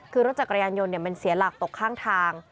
คือรถจักรยานยนต์มันเสียหลักตกข้างทาง